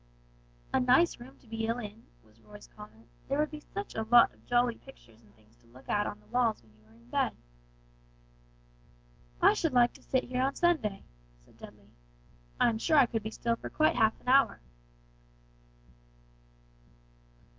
"A nice room to be ill in," was Roy's comment; "there would be such a lot of jolly pictures and things to look at on the walls when you were in bed." "I should like to sit here on Sunday," said Dudley. "I am sure I could be still for quite half an hour!"